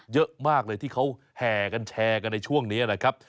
เยอะมากเลยที่เขาแห่กันแชร์กันในช่วงนี้นะครับ